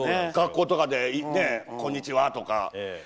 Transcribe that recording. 学校とかでこんにちは！とか。